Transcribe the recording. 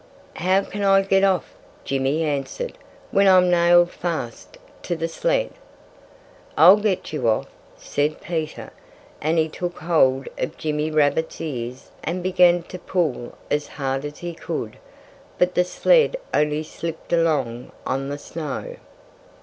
"How can I get off," Jimmy answered, "when I'm nailed fast to the sled?" "I'll get you off," said Peter. And he took hold of Jimmy Rabbit's ears and began to pull as hard as he could. But the sled only slipped along on the snow.